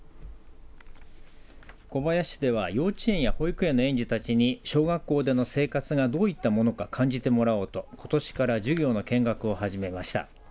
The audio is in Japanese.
小林市では幼稚園や保育園の園児たちに小学校での生活がどういったものか感じてもらおうとことしから授業の見学を始めました。